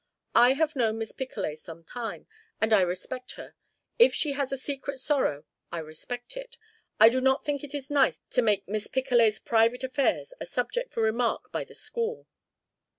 I have known Miss Picolet some time, and I respect her. If she has a secret sorrow, I respect it. I do not think it is nice to make Miss Picolet's private affairs a subject for remark by the school.